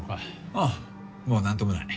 うんもう何ともない。